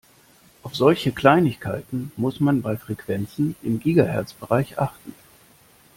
Auf solche Kleinigkeiten muss man bei Frequenzen im Gigahertzbereich achten.